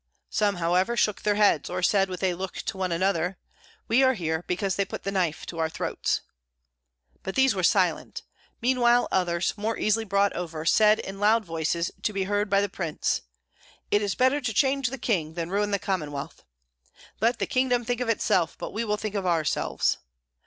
Some, however, shook their heads, or said with a look to one another, "We are here because they put the knife to our throats." But these were silent; meanwhile others, more easily brought over, said in loud voices, to be heard by the prince, "It is better to change the king than ruin the Commonwealth." "Let the kingdom think of itself, but we will think of ourselves."